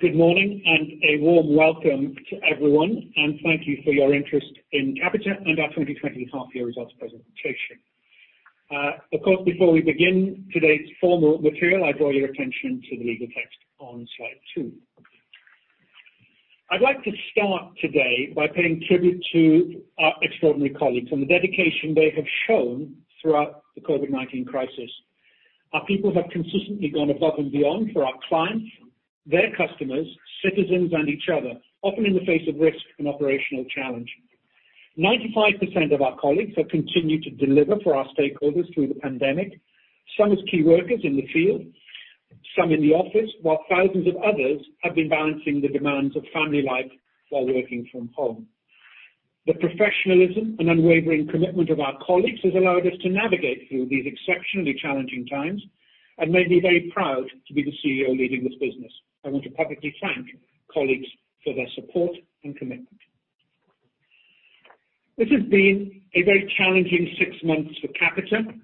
Good morning, and a warm welcome to everyone, and thank you for your interest in Capita and our 2020 half year results presentation. Of course, before we begin today's formal material, I draw your attention to the legal text on slide two. I'd like to start today by paying tribute to our extraordinary colleagues and the dedication they have shown throughout the COVID-19 crisis. Our people have consistently gone above and beyond for our clients, their customers, citizens, and each other, often in the face of risk and operational challenge. 95% of our colleagues have continued to deliver for our stakeholders through the pandemic, some as key workers in the field, some in the office, while thousands of others have been balancing the demands of family life while working from home. The professionalism and unwavering commitment of our colleagues has allowed us to navigate through these exceptionally challenging times and made me very proud to be the CEO leading this business. I want to publicly thank colleagues for their support and commitment. This has been a very challenging six months for Capita,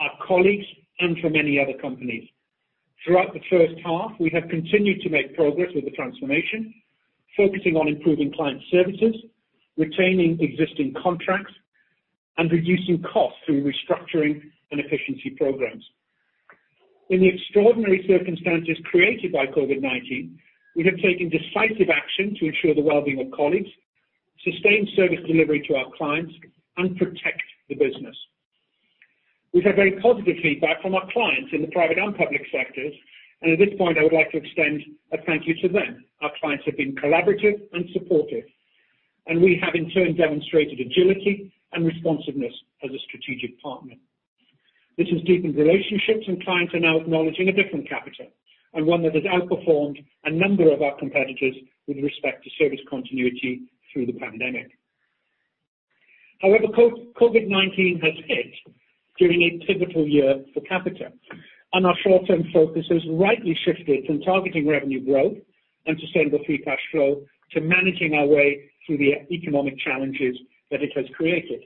our colleagues, and for many other companies. Throughout the first half, we have continued to make progress with the transformation, focusing on improving client services, retaining existing contracts, and reducing costs through restructuring and efficiency programs. In the extraordinary circumstances created by COVID-19, we have taken decisive action to ensure the well-being of colleagues, sustain service delivery to our clients, and protect the business. We've had very positive feedback from our clients in the private and public sectors, and at this point, I would like to extend a thank you to them. Our clients have been collaborative and supportive, and we have in turn demonstrated agility and responsiveness as a strategic partner. This has deepened relationships, and clients are now acknowledging a different Capita, and one that has outperformed a number of our competitors with respect to service continuity through the pandemic. However, COVID-19 has hit during a pivotal year for Capita, and our short-term focus has rightly shifted from targeting revenue growth and sustainable free cash flow to managing our way through the economic challenges that it has created.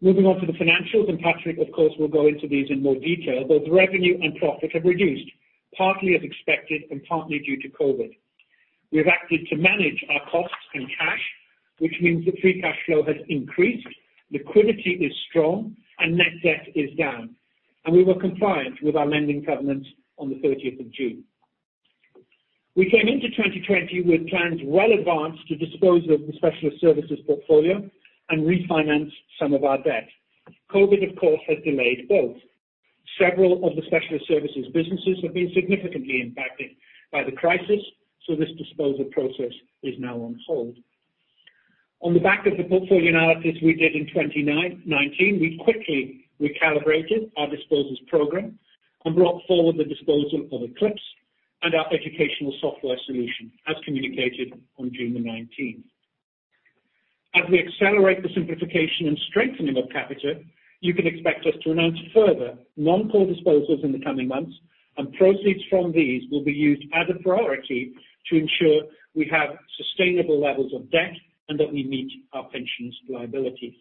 Moving on to the financials, and Patrick, of course, will go into these in more detail. Both revenue and profit have reduced, partly as expected and partly due to COVID. We have acted to manage our costs and cash, which means that free cash flow has increased, liquidity is strong, and net debt is down. We were compliant with our lending covenants on the 30th of June. We came into 2020 with plans well advanced to dispose of the specialist services portfolio and refinance some of our debt. COVID, of course, has delayed both. Several of the specialist services businesses have been significantly impacted by the crisis, so this disposal process is now on hold. On the back of the portfolio analysis we did in 2019, we quickly recalibrated our disposals program and brought forward the disposal of Eclipse and our Education Software Solutions as communicated on June the 19th. As we accelerate the simplification and strengthening of Capita, you can expect us to announce further non-core disposals in the coming months, and proceeds from these will be used as a priority to ensure we have sustainable levels of debt and that we meet our pensions liabilities.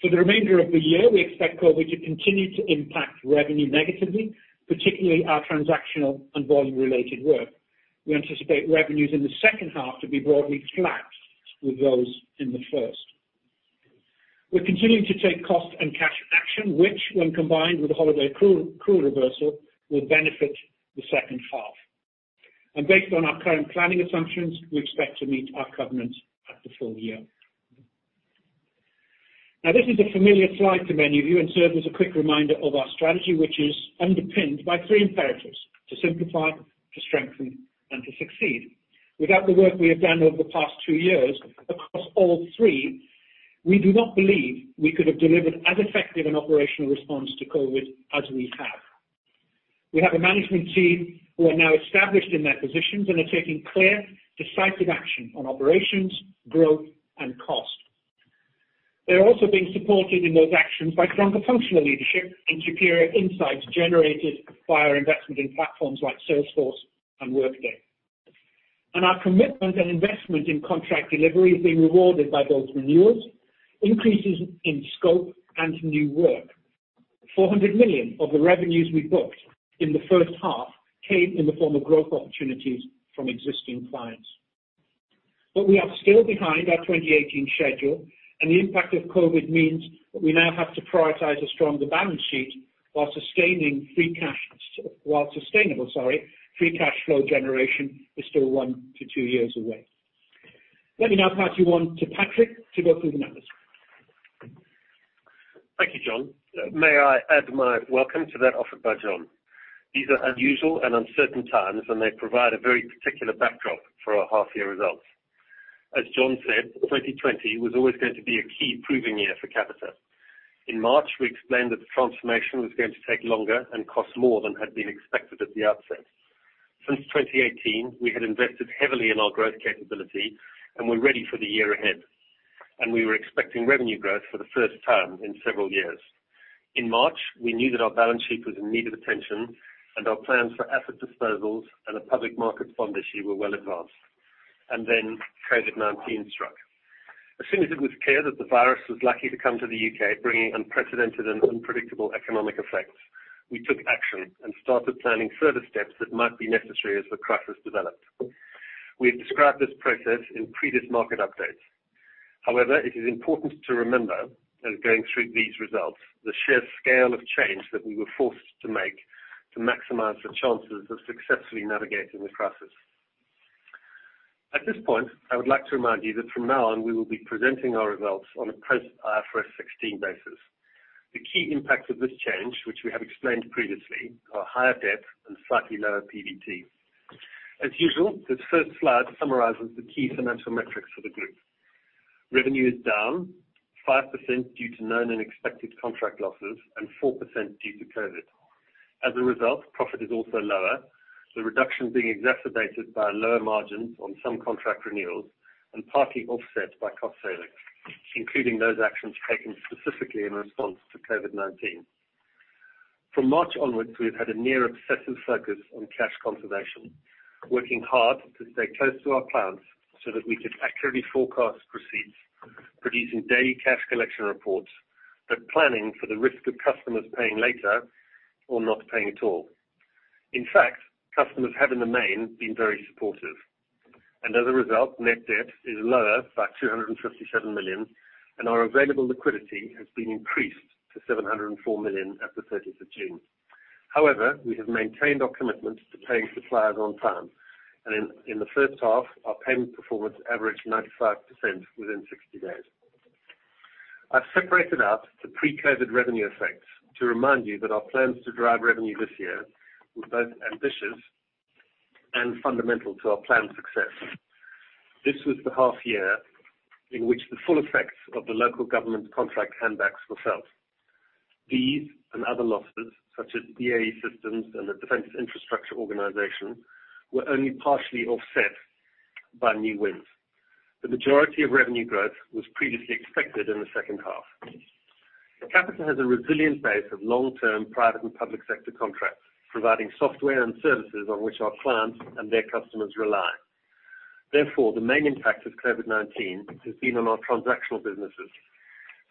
For the remainder of the year, we expect COVID-19 to continue to impact revenue negatively, particularly our transactional and volume-related work. We anticipate revenues in the second half to be broadly flat with those in the first. We're continuing to take cost and cash action, which when combined with the holiday accrual reversal, will benefit the second half. Based on our current planning assumptions, we expect to meet our covenants at the full year. This is a familiar slide to many of you and serves as a quick reminder of our strategy, which is underpinned by three imperatives: to simplify, to strengthen, and to succeed. Without the work we have done over the past two years across all three, we do not believe we could have delivered as effective an operational response to COVID-19 as we have. We have a management team who are now established in their positions and are taking clear, decisive action on operations, growth, and cost. They're also being supported in those actions by stronger functional leadership and superior insights generated by our investment in platforms like Salesforce and Workday. Our commitment and investment in contract delivery has been rewarded by both renewals, increases in scope, and new work. 400 million of the revenues we booked in the H1 came in the form of growth opportunities from existing clients. We are still behind our 2018 schedule, and the impact of COVID-19 means that we now have to prioritize a stronger balance sheet while sustainable cash flow generation is still one to two years away. Let me now pass you on to Patrick to go through the numbers. Thank you, Jon. May I add my welcome to that offered by Jon. These are unusual and uncertain times, and they provide a very particular backdrop for our half year results. As Jon said, 2020 was always going to be a key proving year for Capita. In March, we explained that the transformation was going to take longer and cost more than had been expected at the outset. Since 2018, we had invested heavily in our growth capability and were ready for the year ahead. We were expecting revenue growth for the first time in several years. In March, we knew that our balance sheet was in need of attention, and our plans for asset disposals and a public market bond issue were well advanced. COVID-19 struck. As soon as it was clear that the virus was likely to come to the U.K., bringing unprecedented and unpredictable economic effects, we took action and started planning further steps that might be necessary as the crisis developed. We have described this process in previous market updates. It is important to remember that going through these results, the sheer scale of change that we were forced to make to maximize the chances of successfully navigating the crisis. At this point, I would like to remind you that from now on, we will be presenting our results on a post IFRS 16 basis. The key impacts of this change, which we have explained previously, are higher debt and slightly lower PBT. As usual, this first slide summarizes the key financial metrics for the group. Revenue is down 5% due to known and expected contract losses and 4% due to COVID. As a result, profit is also lower, the reduction being exacerbated by lower margins on some contract renewals and partly offset by cost savings, including those actions taken specifically in response to COVID-19. From March onwards, we have had a near obsessive focus on cash conservation, working hard to stay close to our clients so that we could accurately forecast receipts, producing daily cash collection reports, but planning for the risk of customers paying later or not paying at all. In fact, customers have in the main been very supportive, and as a result, net debt is lower by 257 million, and our available liquidity has been increased to 704 million at the 30th of June. However, we have maintained our commitment to paying suppliers on time, and in the first half, our payment performance averaged 95% within 60-days. I've separated out the pre-COVID revenue effects to remind you that our plans to drive revenue this year were both ambitious and fundamental to our planned success. This was the half year in which the full effects of the local government contract handbacks were felt. These and other losses, such as BAE Systems and the Defence Infrastructure Organisation, were only partially offset by new wins. The majority of revenue growth was previously expected in the second half. Capita has a resilient base of long-term private and public sector contracts, providing software and services on which our clients and their customers rely. The main impact of COVID-19 has been on our transactional businesses,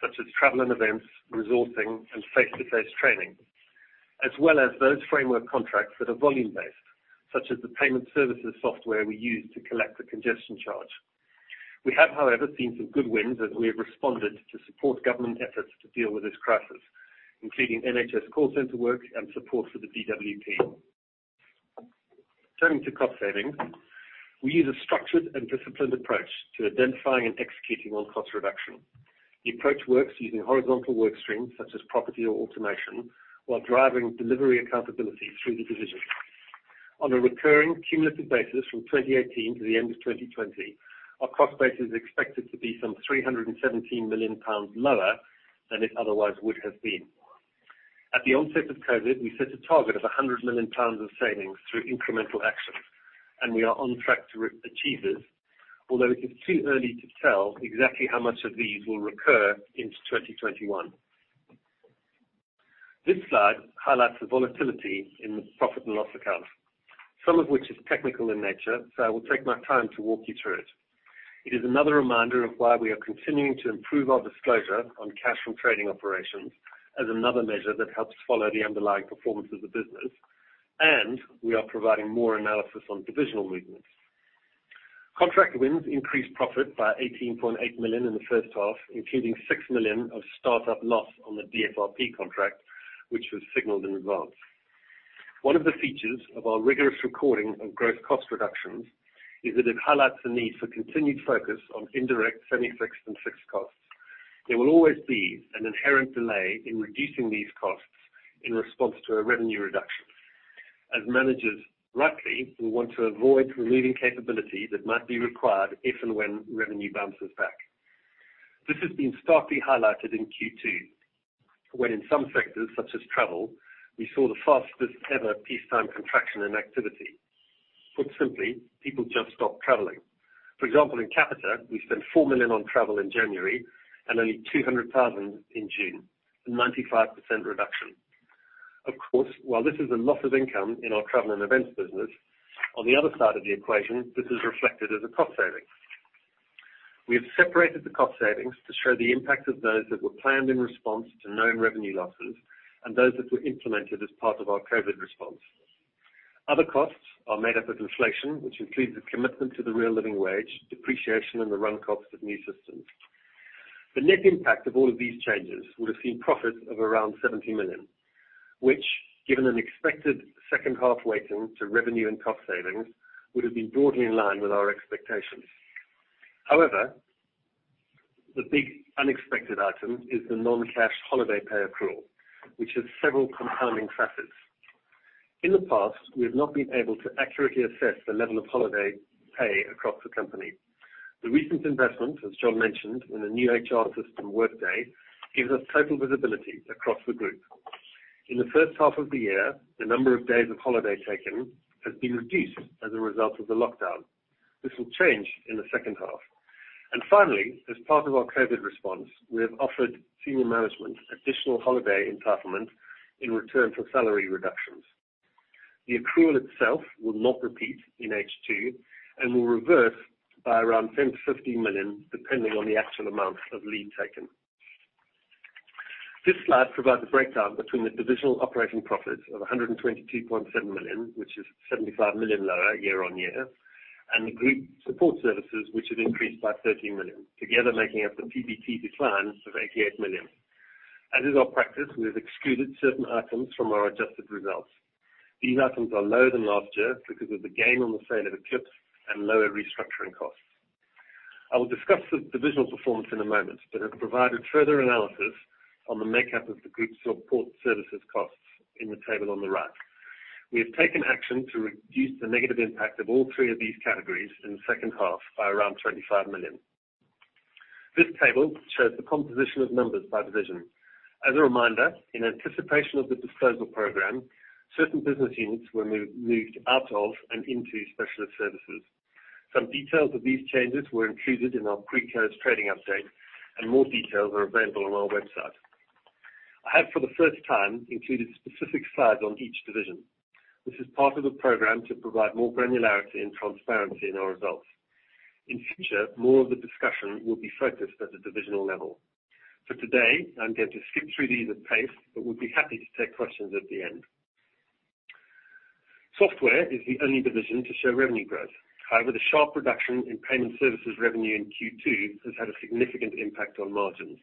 such as travel and events, resourcing, and face-to-face training, as well as those framework contracts that are volume-based, such as the payment services software we use to collect the congestion charge. We have, however, seen some good wins as we have responded to support government efforts to deal with this crisis, including NHS call center work and support for the DWP. Turning to cost savings, we use a structured and disciplined approach to identifying and executing on cost reduction. The approach works using horizontal work streams such as property or automation, while driving delivery accountability through the divisions. On a recurring cumulative basis from 2018 to the end of 2020, our cost base is expected to be some 317 million pounds lower than it otherwise would have been. At the onset of COVID-19, we set a target of 100 million pounds of savings through incremental actions. We are on track to achieve this, although it is too early to tell exactly how much of these will recur into 2021. This slide highlights the volatility in the profit and loss account, some of which is technical in nature. I will take my time to walk you through it. It is another reminder of why we are continuing to improve our disclosure on cash from trading operations as another measure that helps follow the underlying performance of the business. We are providing more analysis on divisional movements. Contract wins increased profit by 18.8 million in the first half, including 6 million of start-up loss on the DFRP contract, which was signaled in advance. One of the features of our rigorous recording of growth cost reductions is that it highlights the need for continued focus on indirect semi-fixed and fixed costs. There will always be an inherent delay in reducing these costs in response to a revenue reduction. As managers, rightly, we want to avoid removing capability that might be required if and when revenue bounces back. This has been starkly highlighted in Q2, when in some sectors such as travel, we saw the fastest ever peacetime contraction in activity. Put simply, people just stopped traveling. For example, in Capita, we spent 4 million on travel in January and only 200 thousand in June, a 95% reduction. Of course, while this is a loss of income in our travel and events business, on the other side of the equation, this is reflected as a cost saving. We have separated the cost savings to show the impact of those that were planned in response to known revenue losses and those that were implemented as part of our COVID-19 response. Other costs are made up of inflation, which includes a commitment to the real living wage, depreciation, and the run costs of new systems. The net impact of all of these changes would have seen profits of around 70 million, which, given an expected second half weighting to revenue and cost savings, would have been broadly in line with our expectations. The big unexpected item is the non-cash holiday pay accrual, which has several compounding facets. In the past, we have not been able to accurately assess the level of holiday pay across the company. The recent investment, as Jon mentioned, in the new HR system Workday, gives us total visibility across the group. In the first half of the year, the number of days of holiday taken has been reduced as a result of the lockdown. This will change in the second half. Finally, as part of our COVID response, we have offered senior management additional holiday entitlement in return for salary reductions. The accrual itself will not repeat in H2 and will reverse by around 10 million-15 million, depending on the actual amount of leave taken. This slide provides a breakdown between the divisional operating profits of 122.7 million, which is 75 million lower year-on-year, and the group support services, which have increased by 30 million, together making up the PBT decline of 88 million. As is our practice, we have excluded certain items from our adjusted results. These items are lower than last year because of the gain on the sale of Eclipse and lower restructuring costs. I will discuss the divisional performance in a moment, but have provided further analysis on the makeup of the group support services costs in the table on the right. We have taken action to reduce the negative impact of all three of these categories in the second half by around 25 million. This table shows the composition of numbers by division. As a reminder, in anticipation of the disposal program, certain business units were moved out of and into specialist services. Some details of these changes were included in our pre-close trading update, and more details are available on our website. I have, for the first time, included specific slides on each division. This is part of the program to provide more granularity and transparency in our results. In future, more of the discussion will be focused at the divisional level. For today. I'm going to skip through these at pace, but would be happy to take questions at the end. Software is the only division to show revenue growth. However, the sharp reduction in payment services revenue in Q2 has had a significant impact on margins.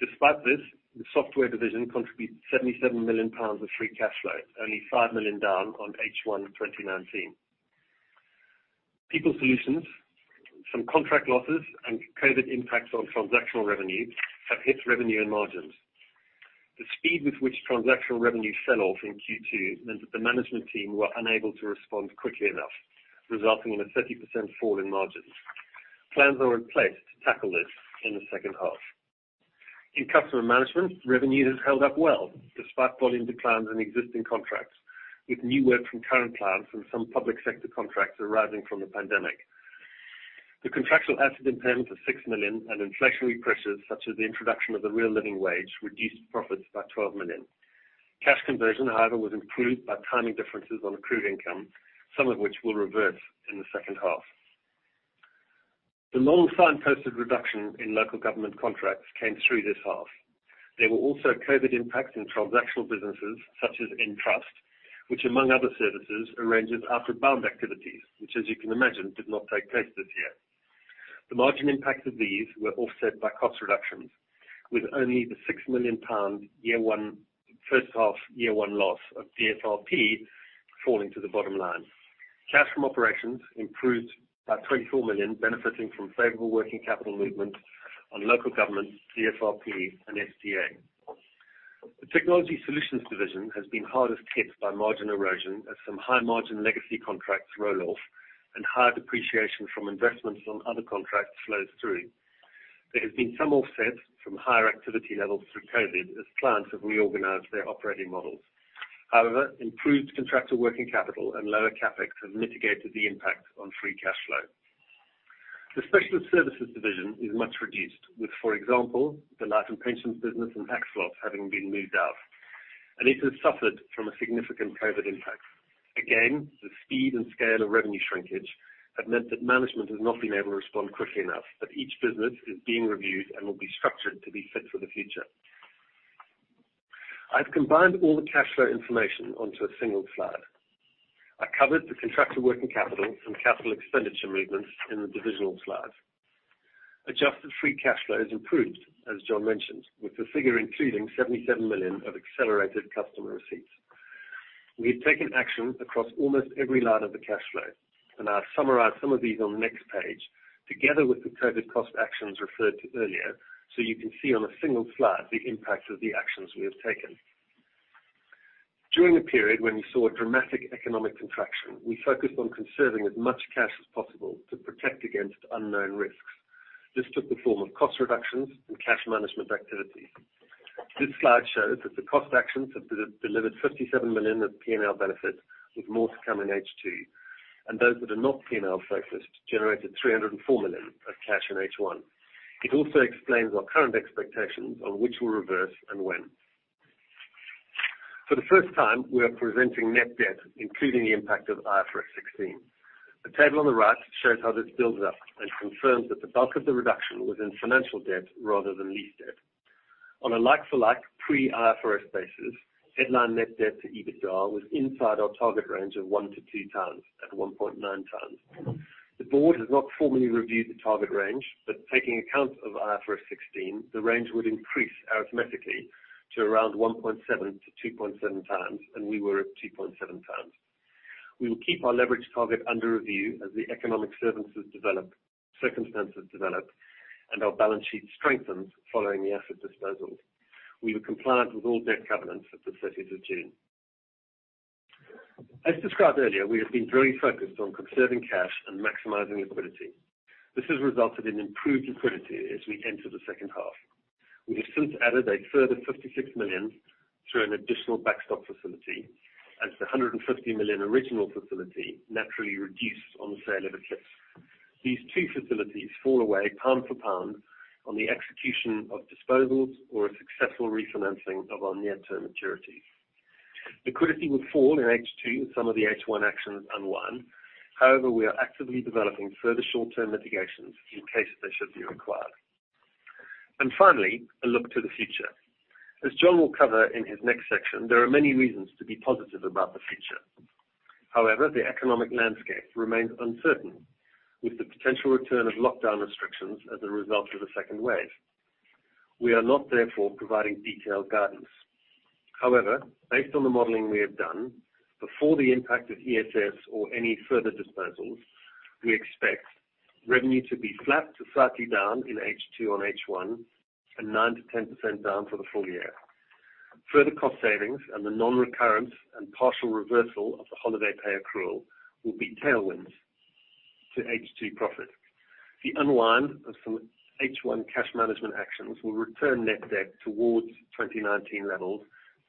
Despite this, the software division contributes 77 million pounds of free cash flow, only 5 million down on H1 2019. People solutions. Some contract losses and COVID-19 impacts on transactional revenue have hit revenue and margins. The speed with which transactional revenue fell off in Q2 meant that the management team were unable to respond quickly enough, resulting in a 30% fall in margins. Plans are in place to tackle this in the second half. In customer management, revenue has held up well despite volume declines in existing contracts, with new work from current clients and some public sector contracts arising from the pandemic. The contractual asset impairment of 6 million and inflationary pressures such as the introduction of the real living wage reduced profits by 12 million. Cash conversion, however, was improved by timing differences on accrued income, some of which will reverse in the second half. The long-signposted reduction in local government contracts came through this half. There were also COVID impacts in transactional businesses such as Entrust, which among other services, arranges outward bound activities, which as you can imagine, did not take place this year. The margin impact of these were offset by cost reductions, with only the 6 million pound first half year one loss of DFRP falling to the bottom line. Cash from operations improved by 24 million, benefiting from favorable working capital movement on local government, DFRP and SDA. The Technology Solutions division has been hardest hit by margin erosion as some high margin legacy contracts roll off and higher depreciation from investments on other contracts flows through. There has been some offset from higher activity levels through COVID as clients have reorganized their operating models. However, improved contractor working capital and lower CapEx have mitigated the impact on free cash flow. The Specialist Services division is much reduced with, for example, the life and pensions business and Axelos having been moved out, and it has suffered from a significant COVID impact. Again, the speed and scale of revenue shrinkage have meant that management has not been able to respond quickly enough, but each business is being reviewed and will be structured to be fit for the future. I've combined all the cash flow information onto a single slide. I covered the contractor working capital and capital expenditure movements in the divisional slides. Adjusted free cash flow has improved, as Jon mentioned, with the figure including 77 million of accelerated customer receipts. We have taken action across almost every line of the cash flow, and I'll summarize some of these on the next page together with the COVID-19 cost actions referred to earlier, so you can see on a single slide the impact of the actions we have taken. During a period when we saw a dramatic economic contraction, we focused on conserving as much cash as possible to protect against unknown risks. This took the form of cost reductions and cash management activities. This slide shows that the cost actions have delivered 57 million of P&L benefits, with more to come in H2, and those that are not P&L focused generated 304 million of cash in H1. It also explains our current expectations on which will reverse and when. For the first time, we are presenting net debt, including the impact of IFRS 16. The table on the right shows how this builds up and confirms that the bulk of the reduction was in financial debt rather than lease debt. On a like for like pre-IFRS basis, headline net debt to EBITDA was inside our target range of 1-2 times at 1.9 times. The board has not formally reviewed the target range, but taking account of IFRS 16, the range would increase arithmetically to around 1.7-2.7 times, and we were at 2.7 times. We will keep our leverage target under review as the economic circumstances develop, and our balance sheet strengthens following the asset disposal. We were compliant with all debt covenants at the 30th of June. As described earlier, we have been very focused on conserving cash and maximizing liquidity. This has resulted in improved liquidity as we enter the second half. We have since added a further 56 million through an additional backstop facility as the 150 million original facility naturally reduced on the sale of Eclipse. These two facilities fall away pound for pound on the execution of disposals or a successful refinancing of our near-term maturities. Liquidity will fall in H2 as some of the H1 actions unwind. However, we are actively developing further short-term mitigations in case they should be required. A look to the future. As Jon will cover in his next section, there are many reasons to be positive about the future. However, the economic landscape remains uncertain, with the potential return of lockdown restrictions as a result of a second wave. We are not, therefore, providing detailed guidance. However, based on the modeling we have done, before the impact of ESS or any further disposals, we expect revenue to be flat to slightly down in H2 on H1 and 9%-10% down for the full year. Further cost savings and the non-recurrent and partial reversal of the holiday pay accrual will be tailwinds to H2 profit. The unwind of some H1 cash management actions will return net debt towards 2019 levels,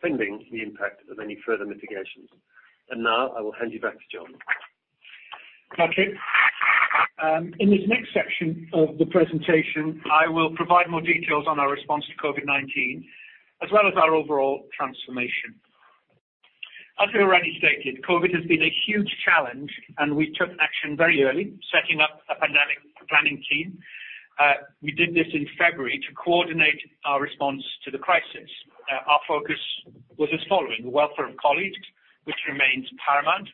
pending the impact of any further mitigations. Now I will hand you back to Jon. Patrick. In this next section of the presentation, I will provide more details on our response to COVID-19 as well as our overall transformation. As we already stated, COVID has been a huge challenge, and we took action very early, setting up a pandemic planning team. We did this in February to coordinate our response to the crisis. Our focus was as following. The welfare of colleagues, which remains paramount.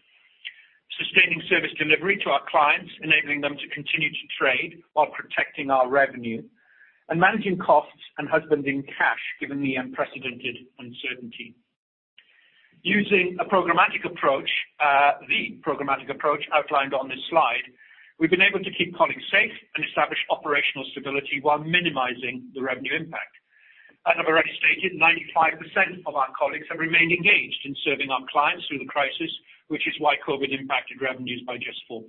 Sustaining service delivery to our clients, enabling them to continue to trade while protecting our revenue. Managing costs and husbanding cash, given the unprecedented uncertainty. Using a programmatic approach, the programmatic approach outlined on this slide, we've been able to keep colleagues safe and establish operational stability while minimizing the revenue impact. As I've already stated, 95% of our colleagues have remained engaged in serving our clients through the crisis, which is why COVID impacted revenues by just 4%.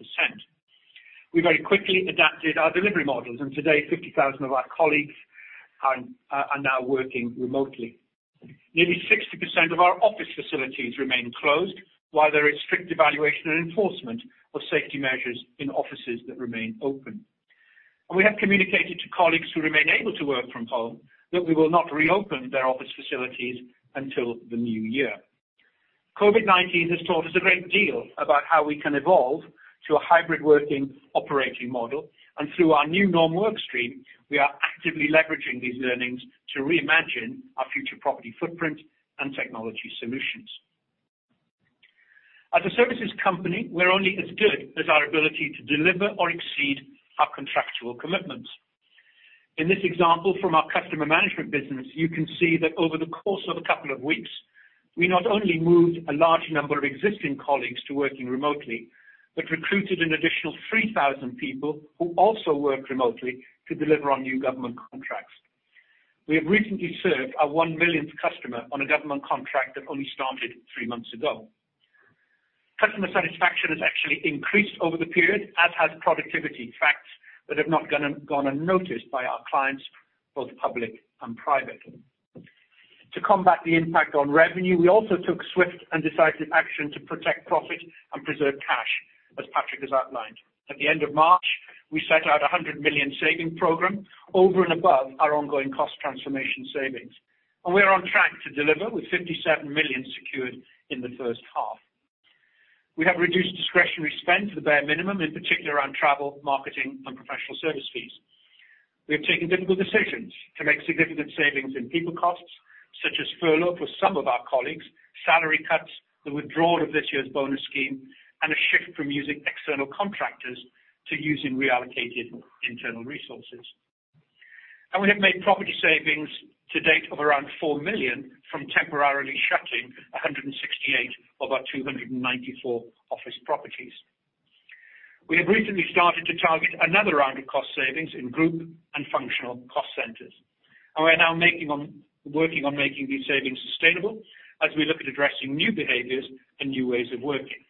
We very quickly adapted our delivery models. Today 50,000 of our colleagues are now working remotely. Nearly 60% of our office facilities remain closed, while there is strict evaluation and enforcement of safety measures in offices that remain open. We have communicated to colleagues who remain able to work from home that we will not reopen their office facilities until the new year. COVID-19 has taught us a great deal about how we can evolve to a hybrid working operating model. Through our new normal work stream, we are actively leveraging these learnings to reimagine our future property footprint and technology solutions. As a services company, we're only as good as our ability to deliver or exceed our contractual commitments. In this example from our customer management business, you can see that over the course of a couple of weeks, we not only moved a large number of existing colleagues to working remotely, but recruited an additional 3,000 people who also work remotely to deliver on new government contracts. We have recently served our one millionth customer on a government contract that only started three months ago. Customer satisfaction has actually increased over the period, as has productivity. Facts that have not gone unnoticed by our clients, both public and private. To combat the impact on revenue, we also took swift and decisive action to protect profit and preserve cash, as Patrick has outlined. At the end of March, we set out a 100 million saving program over and above our ongoing cost transformation savings. We are on track to deliver with 57 million secured in the first half. We have reduced discretionary spend to the bare minimum, in particular around travel, marketing, and professional service fees. We have taken difficult decisions to make significant savings in people costs, such as furlough for some of our colleagues, salary cuts, the withdrawal of this year's bonus scheme, and a shift from using external contractors to using reallocated internal resources. We have made property savings to date of around 4 million from temporarily shutting 168 of our 294 office properties. We have recently started to target another round of cost savings in group and functional cost centers. We are now working on making these savings sustainable as we look at addressing new behaviors and new ways of working.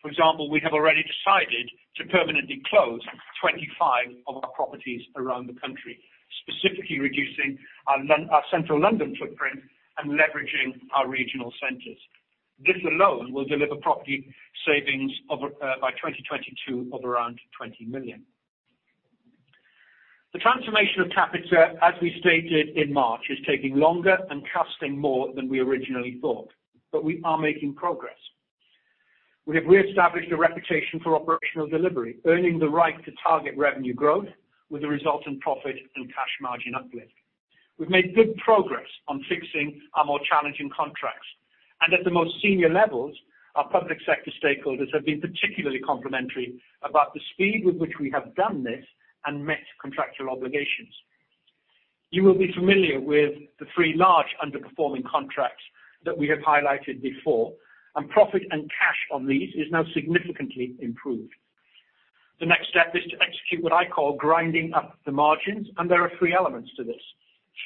For example, we have already decided to permanently close 25 of our properties around the country, specifically reducing our Central London footprint and leveraging our regional centers. This alone will deliver property savings by 2022 of around 20 million. The transformation of Capita, as we stated in March, is taking longer and costing more than we originally thought, but we are making progress. We have reestablished a reputation for operational delivery, earning the right to target revenue growth with a resultant profit and cash margin uplift. We've made good progress on fixing our more challenging contracts. At the most senior levels, our public sector stakeholders have been particularly complimentary about the speed with which we have done this and met contractual obligations. You will be familiar with the three large underperforming contracts that we have highlighted before, and profit and cash on these is now significantly improved. The next step is to execute what I call grinding up the margins, and there are three elements to this.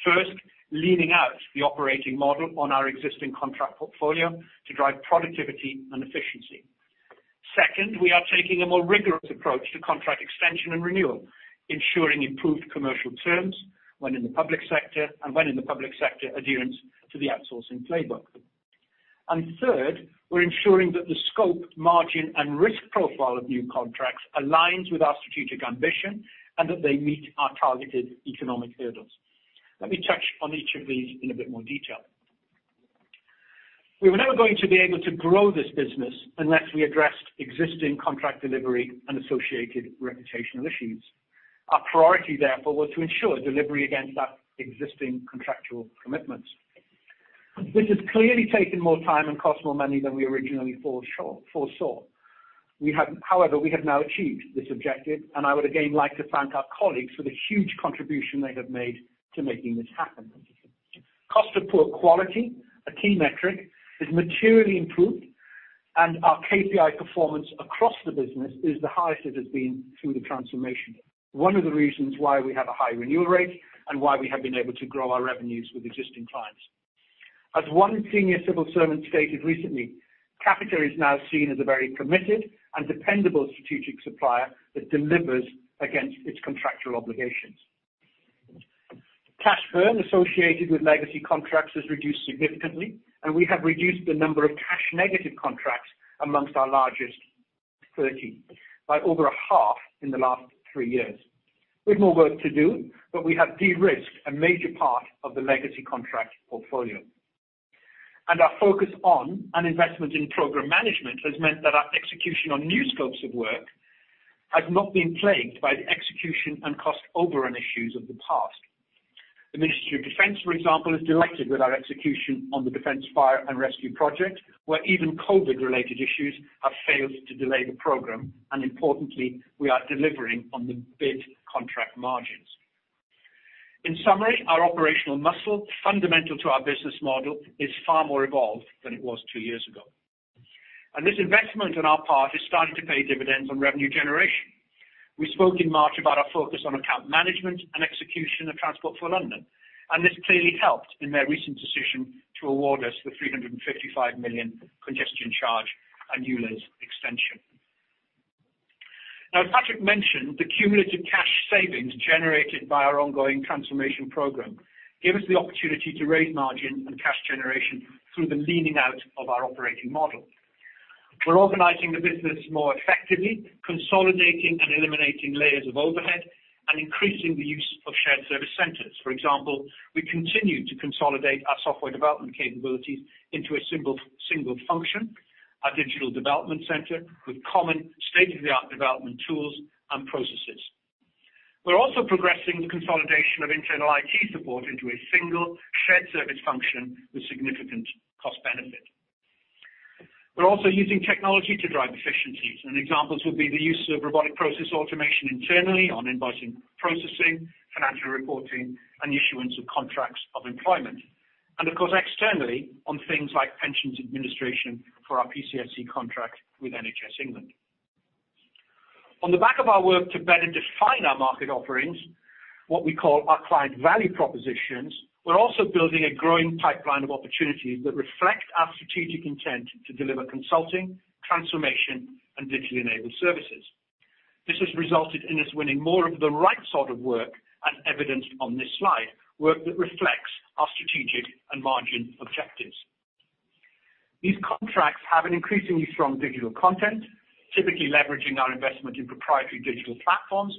First, leaning out the operating model on our existing contract portfolio to drive productivity and efficiency. Second, we are taking a more rigorous approach to contract extension and renewal, ensuring improved commercial terms and when in the public sector, adherence to the Outsourcing Playbook. Third, we're ensuring that the scope, margin, and risk profile of new contracts aligns with our strategic ambition and that they meet our targeted economic hurdles. Let me touch on each of these in a bit more detail. We were never going to be able to grow this business unless we addressed existing contract delivery and associated reputational issues. Our priority, therefore, was to ensure delivery against our existing contractual commitments. This has clearly taken more time and cost more money than we originally foresaw. However, we have now achieved this objective, and I would again like to thank our colleagues for the huge contribution they have made to making this happen. Cost of poor quality, a key metric, is materially improved, and our KPI performance across the business is the highest it has been through the transformation. One of the reasons why we have a high renewal rate and why we have been able to grow our revenues with existing clients. As one senior civil servant stated recently, Capita is now seen as a very committed and dependable strategic supplier that delivers against its contractual obligations. Cash burn associated with legacy contracts has reduced significantly, and we have reduced the number of cash negative contracts amongst our largest 30 by over a half in the last three years. We have more work to do, but we have de-risked a major part of the legacy contract portfolio. Our focus on and investment in program management has meant that our execution on new scopes of work has not been plagued by the execution and cost overrun issues of the past. The Ministry of Defence, for example, is delighted with our execution on the Defence Fire and Rescue project, where even COVID-related issues have failed to delay the program, and importantly, we are delivering on the bid contract margins. In summary, our operational muscle, fundamental to our business model, is far more evolved than it was two years ago. This investment on our part is starting to pay dividends on revenue generation. We spoke in March about our focus on account management and execution of Transport for London. This clearly helped in their recent decision to award us the 355 million congestion charge annual extension. Patrick mentioned the cumulative cash savings generated by our ongoing transformation program give us the opportunity to raise margin and cash generation through the leaning out of our operating model. We're organizing the business more effectively, consolidating and eliminating layers of overhead, and increasing the use of shared service centers. For example, we continue to consolidate our software development capabilities into a single function, our digital development center, with common state-of-the-art development tools and processes. We're also progressing the consolidation of internal IT support into a single shared service function with significant cost benefit. We're also using technology to drive efficiencies, and examples would be the use of robotic process automation internally on invoice processing, financial reporting, and the issuance of contracts of employment. Of course, externally on things like pensions administration for our PCSE contract with NHS England. On the back of our work to better define our market offerings, what we call our client value propositions, we're also building a growing pipeline of opportunities that reflect our strategic intent to deliver consulting, transformation, and digitally enabled services. This has resulted in us winning more of the right sort of work as evidenced on this slide, work that reflects our strategic and margin objectives. These contracts have an increasingly strong digital content, typically leveraging our investment in proprietary digital platforms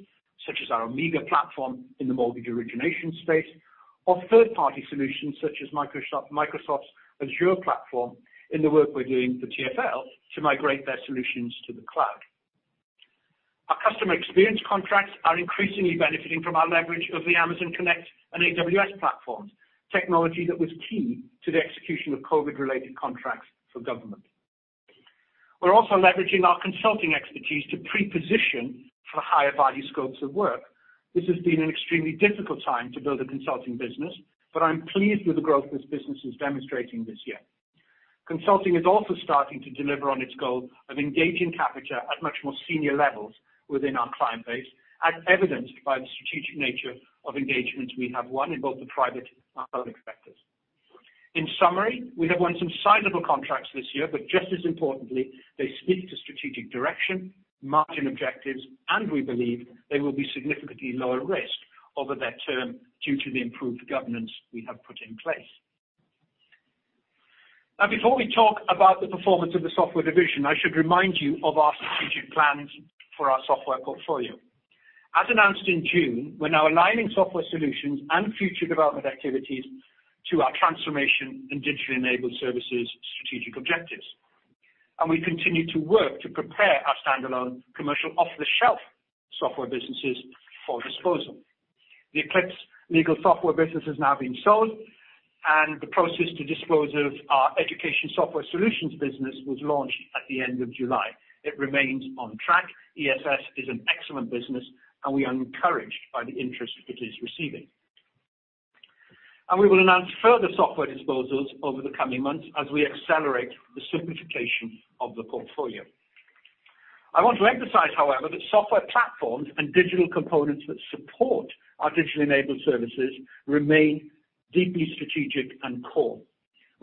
such as our Omiga Digital platform in the mortgage origination space, or third-party solutions such as Microsoft's Azure platform in the work we're doing for TfL to migrate their solutions to the cloud. Our customer experience contracts are increasingly benefiting from our leverage of the Amazon Connect and AWS platforms, technology that was key to the execution of COVID-related contracts for government. We're also leveraging our consulting expertise to pre-position for higher value scopes of work. This has been an extremely difficult time to build a consulting business, but I'm pleased with the growth this business is demonstrating this year. Consulting is also starting to deliver on its goal of engaging Capita at much more senior levels within our client base, as evidenced by the strategic nature of engagements we have won in both the private and public sectors. In summary, we have won some sizable contracts this year, but just as importantly, they speak to strategic direction, margin objectives, and we believe they will be significantly lower risk over their term due to the improved governance we have put in place. Now before we talk about the performance of the software division, I should remind you of our strategic plans for our software portfolio. As announced in June, we're now aligning software solutions and future development activities to our transformation and digitally enabled services strategic objectives. We continue to work to prepare our standalone commercial off-the-shelf software businesses for disposal. The Eclipse Legal Systems business has now been sold, and the process to dispose of our Education Software Solutions business was launched at the end of July. It remains on track. ESS is an excellent business, and we are encouraged by the interest it is receiving. We will announce further software disposals over the coming months as we accelerate the simplification of the portfolio. I want to emphasize, however, that software platforms and digital components that support our digitally enabled services remain deeply strategic and core.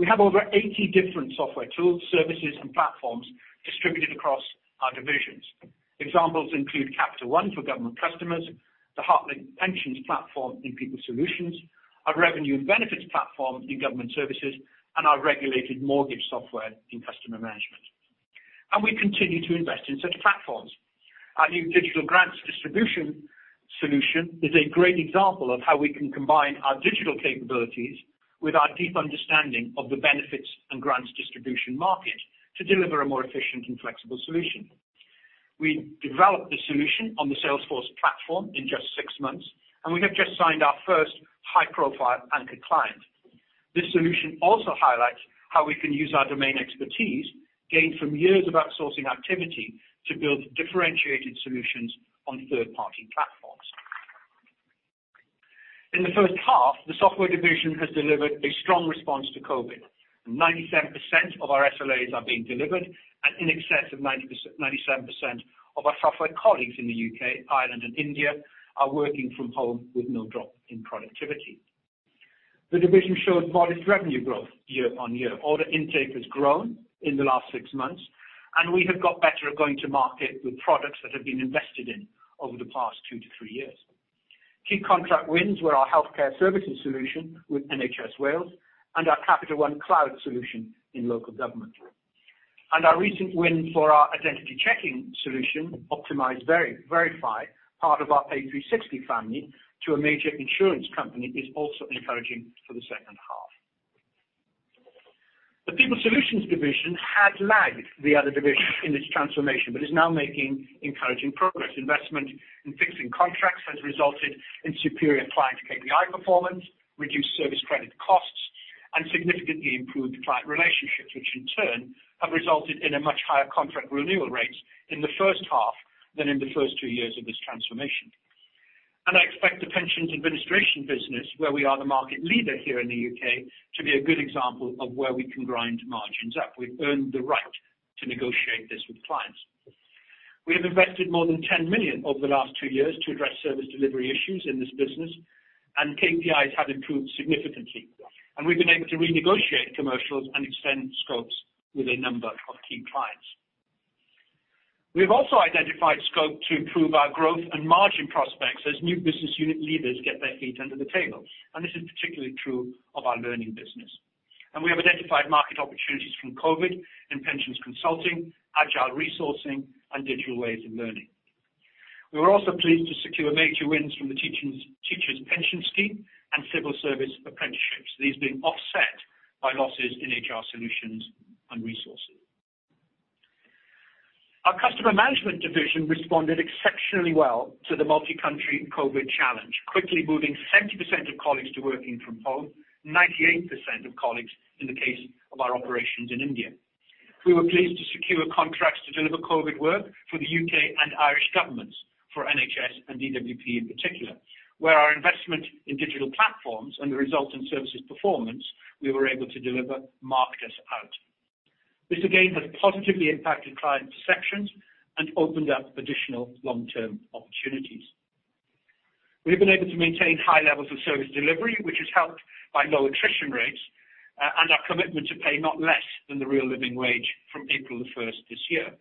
We have over 80 different software tools, services, and platforms distributed across our divisions. Examples include Capita One for government customers, the Hartlink Pensions platform in People Solutions, our revenue and benefits platform in government services, and our regulated mortgage software in customer management. We continue to invest in such platforms. Our new digital grants distribution solution is a great example of how we can combine our digital capabilities with our deep understanding of the benefits and grants distribution market to deliver a more efficient and flexible solution. We developed the solution on the Salesforce platform in just six months, and we have just signed our first high-profile anchor client. This solution also highlights how we can use our domain expertise gained from years of outsourcing activity to build differentiated solutions on third-party platforms. In the first half, the software division has delivered a strong response to COVID-19. 97% of our SLAs are being delivered and in excess of 97% of our software colleagues in the U.K., Ireland, and India are working from home with no drop in productivity. The division showed modest revenue growth year-over-year. Order intake has grown in the last six months. We have got better at going to market with products that have been invested in over the past two to three years. Key contract wins were our healthcare services solution with NHS Wales and our Capita One Cloud solution in local government. Our recent win for our identity checking solution, Optimize Verify, part of our Pay360 family, to a major insurance company is also encouraging for the second half. The People Solutions division had lagged the other divisions in this transformation but is now making encouraging progress. Investment in fixing contracts has resulted in superior client KPI performance, reduced service credit costs, and significantly improved client relationships, which in turn have resulted in a much higher contract renewal rate in the first half than in the first two years of this transformation. I expect the pensions administration business, where we are the U.K. market leader, to be a good example of where we can grind margins up. We've earned the right to negotiate this with clients. We have invested more than 10 million over the last two years to address service delivery issues in this business, and KPIs have improved significantly. We've been able to renegotiate commercials and extend scopes with a number of key clients. We've also identified scope to improve our growth and margin prospects as new business unit leaders get their feet under the table. This is particularly true of our learning business. We have identified market opportunities from COVID-19 in pensions consulting, agile resourcing, and digital ways of learning. We were also pleased to secure major wins from the Teachers' Pension Scheme and civil service apprenticeships, these being offset by losses in HR solutions and resources. Our customer management division responded exceptionally well to the multi-country COVID-19 challenge, quickly moving 70% of colleagues to working from home, 98% of colleagues in the case of our operations in India. We were pleased to secure contracts to deliver COVID-19 work for the U.K. and Irish governments for NHS and DWP in particular, where our investment in digital platforms and the resultant services performance, we were able to deliver marked us out. This, again, has positively impacted client perceptions and opened up additional long-term opportunities. We've been able to maintain high levels of service delivery, which is helped by low attrition rates, and our commitment to pay not less than the real living wage from April 1st this year.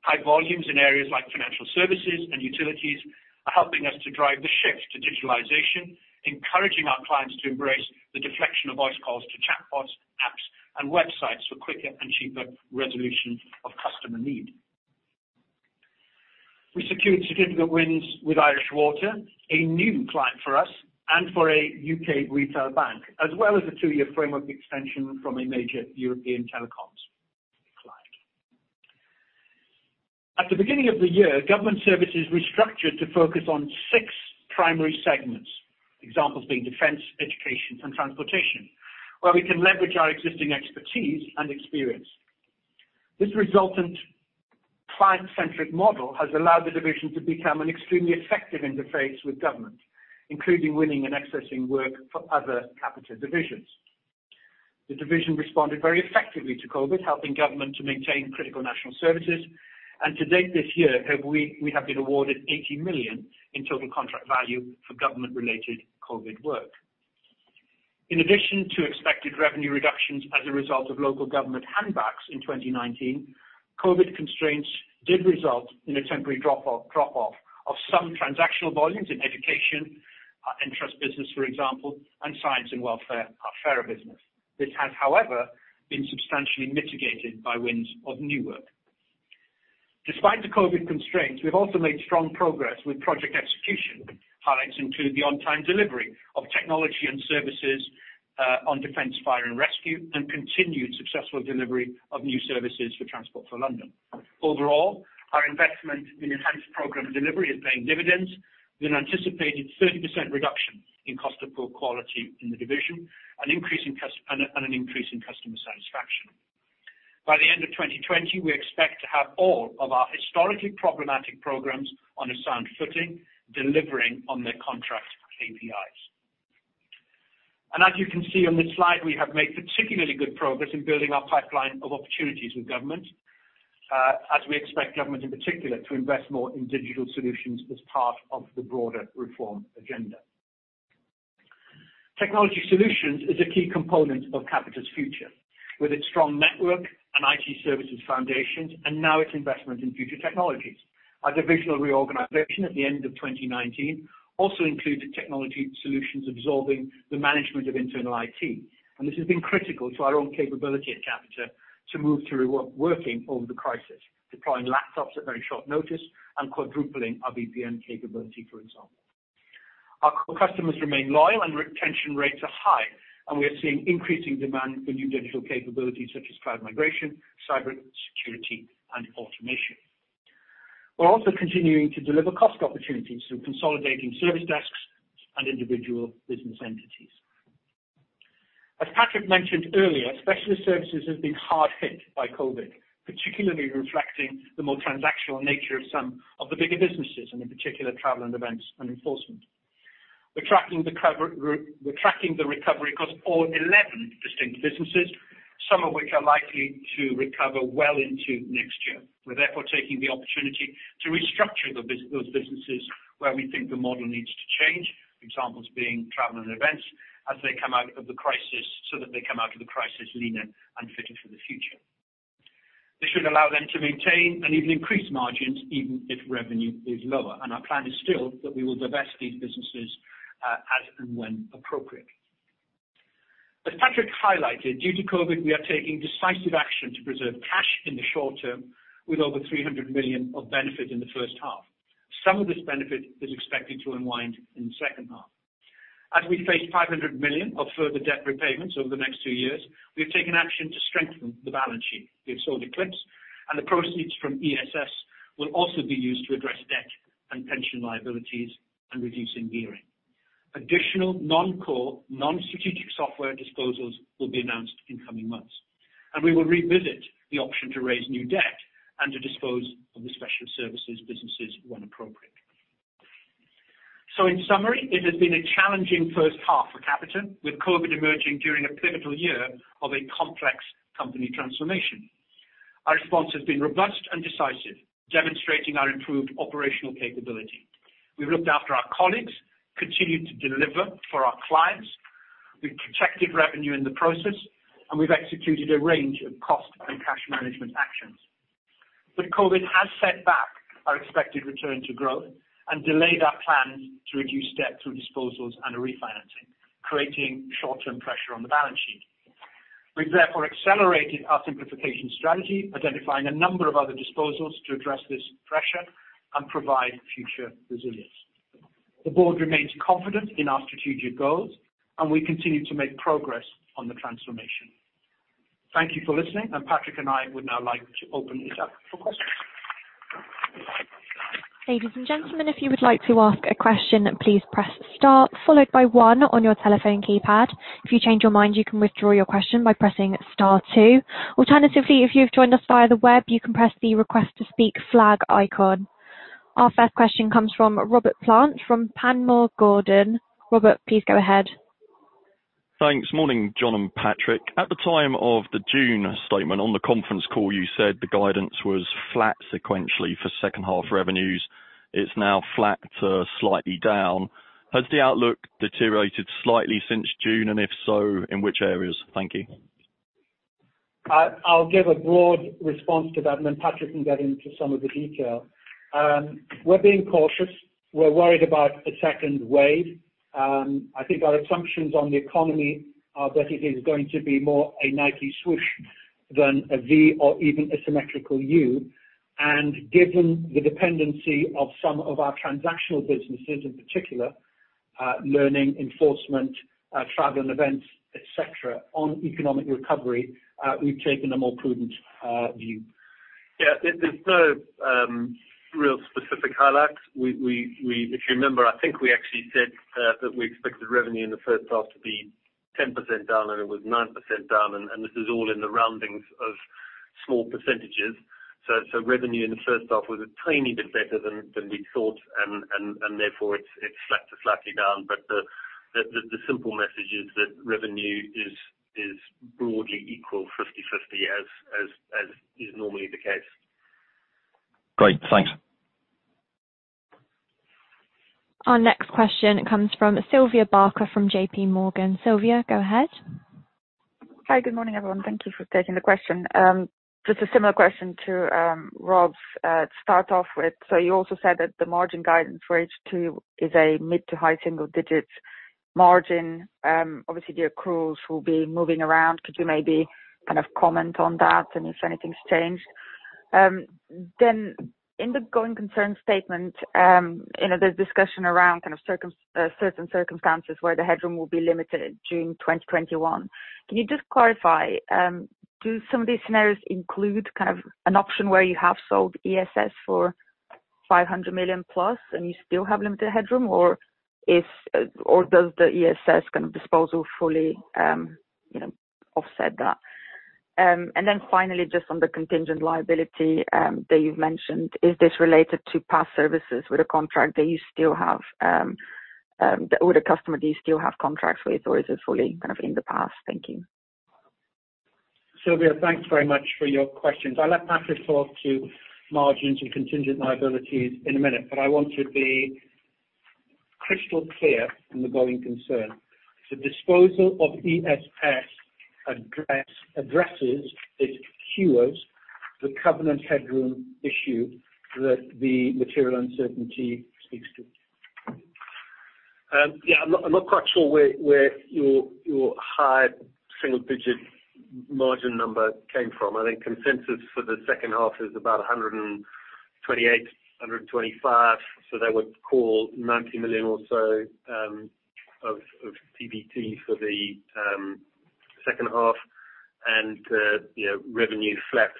High volumes in areas like financial services and utilities are helping us to drive the shift to digitalization, encouraging our clients to embrace the deflection of voice calls to chatbots, apps, and websites for quicker and cheaper resolution of customer need. We secured significant wins with Irish Water, a new client for us, and for a U.K. retail bank, as well as a two year framework extension from a major European telecoms client. At the beginning of the year, government services restructured to focus on six primary segments, examples being defense, education, and transportation, where we can leverage our existing expertise and experience. This resultant client-centric model has allowed the division to become an extremely effective interface with government, including winning and accessing work for other Capita divisions. The division responded very effectively to COVID, helping government to maintain critical national services. To date this year, we have been awarded 80 million in total contract value for government-related COVID work. In addition to expected revenue reductions as a result of local government handbacks in 2019, COVID constraints did result in a temporary drop-off of some transactional volumes in education, our Entrust business, for example, and science and welfare, our Fera business. This has, however, been substantially mitigated by wins of new work. Despite the COVID constraints, we've also made strong progress with project execution. Highlights include the on-time delivery of technology and services on Defence Fire and Rescue, and continued successful delivery of new services for Transport for London. Overall, our investment in enhanced program delivery is paying dividends with an anticipated 30% reduction in cost of poor quality in the division and an increase in customer satisfaction. By the end of 2020, we expect to have all of our historically problematic programs on a sound footing, delivering on their contract KPIs. As you can see on this slide, we have made particularly good progress in building our pipeline of opportunities with government, as we expect government in particular to invest more in digital solutions as part of the broader reform agenda. Technology solutions is a key component of Capita's future, with its strong network and IT services foundations, and now its investment in future technologies. Our divisional reorganization at the end of 2019 also included technology solutions absorbing the management of internal IT. This has been critical to our own capability at Capita to move to working over the crisis, deploying laptops at very short notice and quadrupling our VPN capability, for example. Our customers remain loyal and retention rates are high. We are seeing increasing demand for new digital capabilities such as cloud migration, cyber security, and automation. We're also continuing to deliver cost opportunities through consolidating service desks and individual business entities. As Patrick mentioned earlier, specialist services has been hard hit by COVID-19, particularly reflecting the more transactional nature of some of the bigger businesses. In particular, travel and events and enforcement. We're tracking the recovery across all 11 distinct businesses, some of which are likely to recover well into next year. We're therefore taking the opportunity to restructure those businesses where we think the model needs to change, examples being travel and events as they come out of the crisis, so that they come out of the crisis leaner and fitted for the future. This should allow them to maintain and even increase margins even if revenue is lower. Our plan is still that we will divest these businesses as and when appropriate. As Patrick highlighted, due to COVID-19, we are taking decisive action to preserve cash in the short term, with over 300 million of benefit in the first half. Some of this benefit is expected to unwind in the second half. As we face 500 million of further debt repayments over the next two years, we have taken action to strengthen the balance sheet. We have sold Eclipse, and the proceeds from ESS will also be used to address debt and pension liabilities and reducing gearing. Additional non-core, non-strategic software disposals will be announced in coming months, and we will revisit the option to raise new debt and to dispose of the special services businesses when appropriate. In summary, it has been a challenging first half for Capita, with COVID emerging during a pivotal year of a complex company transformation. Our response has been robust and decisive, demonstrating our improved operational capability. We've looked after our colleagues, continued to deliver for our clients, we've protected revenue in the process, and we've executed a range of cost and cash management actions. COVID has set back our expected return to growth and delayed our plan to reduce debt through disposals and a refinancing, creating short-term pressure on the balance sheet. We've therefore accelerated our simplification strategy, identifying a number of other disposals to address this pressure and provide future resilience. The board remains confident in our strategic goals, and we continue to make progress on the transformation. Thank you for listening, and Patrick and I would now like to open it up for questions. Thank you. Ladies and gentlemen, if you would like to ask a question, please press star followed by one on your telephone keypad. If you change your mind, you can withdraw your question by pressing star two. Alternatively, if you've joined us via the web, you can press the Request to speak flag icon. Our first question comes from Robert Plant from Panmure Gordon. Robert, please go ahead. Thanks. Morning, Jon and Patrick. At the time of the June statement on the conference call, you said the guidance was flat sequentially for second half revenues. It's now flat to slightly down. Has the outlook deteriorated slightly since June, and if so, in which areas? Thank you. I'll give a broad response to that, and then Patrick can get into some of the detail. We're being cautious. We're worried about a second wave. I think our assumptions on the economy are that it is going to be more a Nike swoosh than a V or even a symmetrical U. Given the dependency of some of our transactional businesses, in particular learning enforcement, travel and events, et cetera, on economic recovery, we've taken a more prudent view. There's no real specific highlights. If you remember, I think we actually said that we expected revenue in the first half to be 10% down, and it was nine percent down, and this is all in the roundings of small percentages. Revenue in the first half was a tiny bit better than we thought, and therefore it's flat to slightly down. The simple message is that revenue is broadly equal, 50/50, as is normally the case. Great. Thanks. Our next question comes from Sylvia Barker from JPMorgan. Sylvia, go ahead. Hi. Good morning, everyone. Thank you for taking the question. A similar question to Rob to start off with. You also said that the margin guidance for H2 is a mid to high single-digit margin. Obviously, the accruals will be moving around. Could you maybe kind of comment on that and if anything's changed? In the going concern statement, there's discussion around certain circumstances where the headroom will be limited in June 2021. Can you just clarify, do some of these scenarios include kind of an option where you have sold ESS for 500+ million and you still have limited headroom, or does the ESS kind of disposal fully offset that? Finally, just on the contingent liability that you've mentioned, is this related to past services with a contract that you still have or the customer that you still have contracts with, or is it fully kind of in the past? Thank you. Sylvia, thanks very much for your questions. I'll let Patrick talk to margins and contingent liabilities in a minute. I want to be crystal clear on the going concern. The disposal of ESS addresses, it cures the covenant headroom issue that the material uncertainty speaks to. Yeah, I'm not quite sure where your high single-digit margin number came from. I think consensus for the second half is about 128, 125. That would call 90 million or so of PBT for the second half. Revenue flex,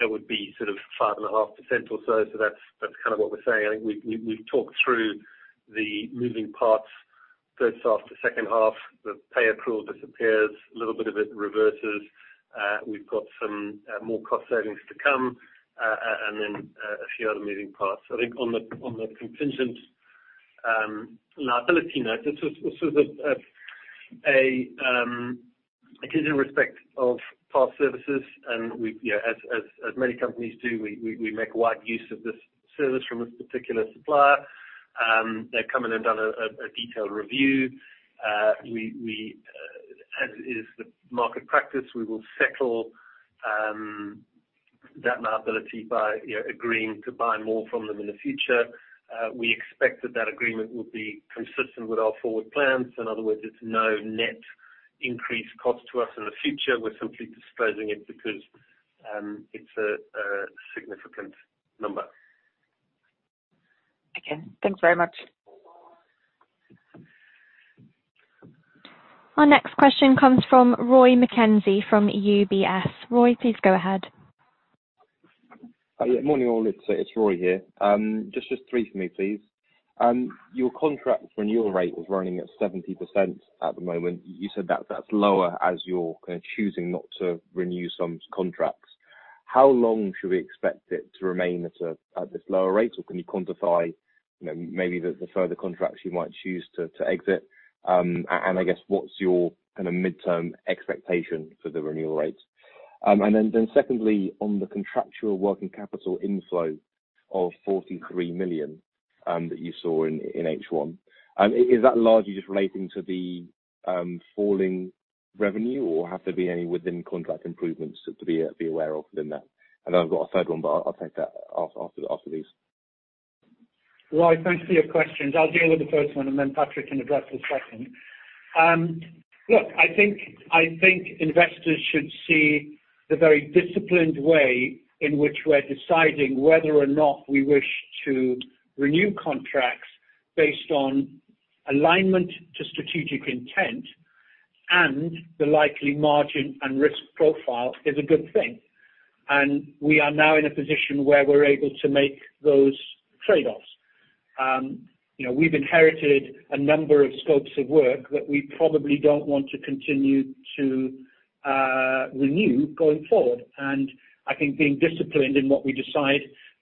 that would be 5.5% or so. That's kind of what we're saying. I think we've talked through the moving parts first half to second half. The pay accrual disappears, a little bit of it reverses. We've got some more cost savings to come, and then a few other moving parts. I think on the contingent liability note, this was a contingent respect of past services, and as many companies do, we make wide use of this service from a particular supplier. They've come in and done a detailed review. As is the market practice, we will settle that liability by agreeing to buy more from them in the future. We expect that that agreement will be consistent with our forward plans. In other words, it is no net increase cost to us in the future. We are simply disclosing it because it is a significant number. Okay. Thanks very much. Our next question comes from Rory McKenzie from UBS. Rory, please go ahead. Yeah, morning all. It's Rory here. Just three for me, please. Your contract renewal rate is running at 70% at the moment. You said that's lower as you're choosing not to renew some contracts. How long should we expect it to remain at this lower rate? Can you quantify maybe the further contracts you might choose to exit? I guess, what's your midterm expectation for the renewal rates? Secondly, on the contractual working capital inflow of 43 million that you saw in H1, is that largely just relating to the falling revenue, or have there been any within-contract improvements to be aware of in that? I've got a third one, but I'll take that after these. Rory, thanks for your questions. I'll deal with the first one and then Patrick can address the second. Look, I think investors should see the very disciplined way in which we're deciding whether or not we wish to renew contracts based on alignment to strategic intent and the likely margin and risk profile is a good thing. We are now in a position where we're able to make those trade-offs. We've inherited a number of scopes of work that we probably don't want to continue to renew going forward. I think being disciplined in what we decide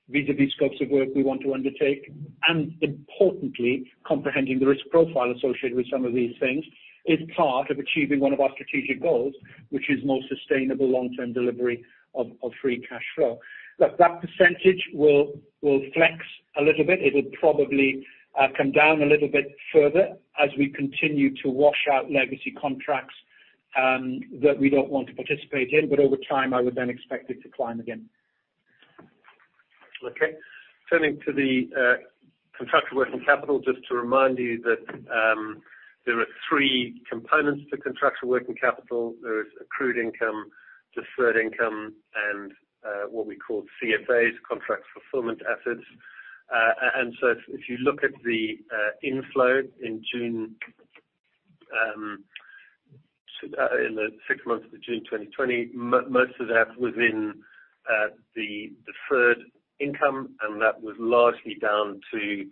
vis-a-vis scopes of work we want to undertake, and importantly, comprehending the risk profile associated with some of these things, is part of achieving one of our strategic goals, which is more sustainable long-term delivery of free cash flow. Look, that percentage will flex a little bit. It'll probably come down a little bit further as we continue to wash out legacy contracts that we don't want to participate in. Over time, I would then expect it to climb again. Okay. Turning to the contractual working capital, just to remind you that there are three components to contractual working capital. There is accrued income, deferred income, and what we call CFAs, Contract Fulfillment Assets. If you look at the inflow in the six months to June 2020, most of that was in the deferred income, and that was largely down to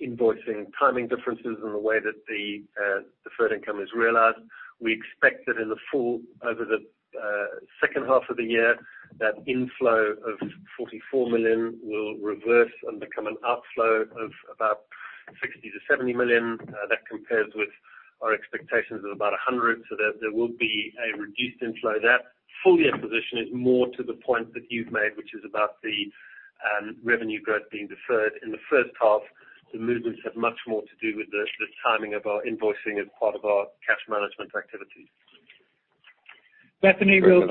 invoicing timing differences in the way that the deferred income is realized. We expect that in the fall, over the second half of the year, that inflow of 44 million will reverse and become an outflow of about 60 million-70 million. That compares with our expectations of about 100, so there will be a reduced inflow. That full year position is more to the point that you've made, which is about the revenue growth being deferred in the first half. The movements have much more to do with the timing of our invoicing as part of our cash management activities. Bethany, we'll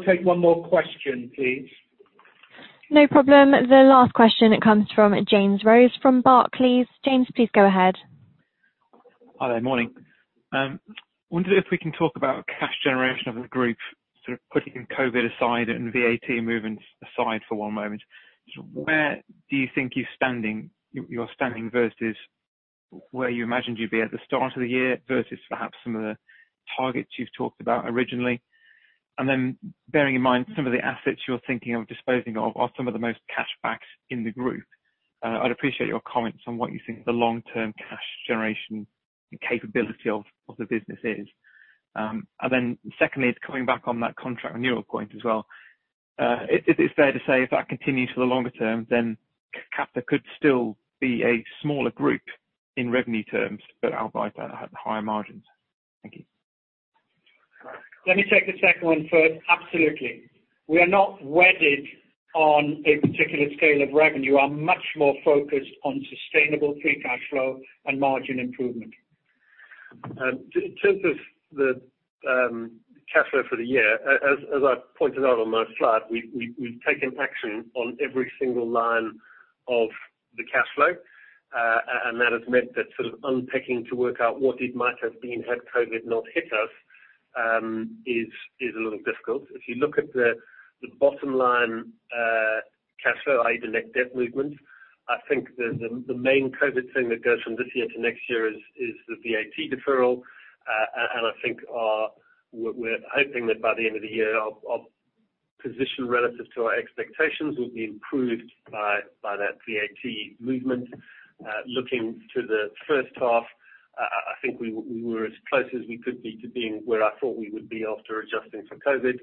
take one more question, please. No problem. The last question, it comes from James Rose from Barclays. James, please go ahead. Hi there. Morning. I wonder if we can talk about cash generation of the group, sort of putting COVID-19 aside and VAT movements aside for one moment. Where do you think you're standing versus where you imagined you'd be at the start of the year, versus perhaps some of the targets you've talked about originally? Bearing in mind some of the assets you're thinking of disposing of are some of the most cash-backed in the group, I'd appreciate your comments on what you think the long-term cash generation capability of the business is. Secondly, coming back on that contract renewal point as well. Is it fair to say if that continues for the longer term, then Capita could still be a smaller group in revenue terms, albeit at higher margins? Thank you. Let me take the second one first. Absolutely. We are not wedded on a particular scale of revenue, are much more focused on sustainable free cash flow and margin improvement. In terms of the cash flow for the year, as I pointed out on my slide, we've taken action on every single line of the cash flow. That has meant that sort of unpicking to work out what it might have been had COVID not hit us is a little difficult. If you look at the bottom line cash flow, i.e. the net debt movement, I think the main COVID thing that goes from this year to next year is the VAT deferral. I think we're hoping that by the end of the year, our position relative to our expectations will be improved by that VAT movement. Looking to the first half, I think we were as close as we could be to being where I thought we would be after adjusting for COVID.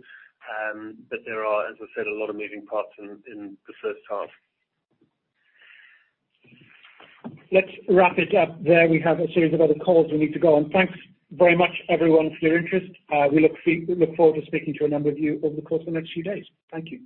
There are, as I said, a lot of moving parts in the first half. Let's wrap it up there. We have a series of other calls we need to go on. Thanks very much, everyone, for your interest. We look forward to speaking to a number of you over the course of the next few days. Thank you.